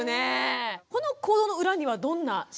この行動の裏にはどんな真理があるんですか？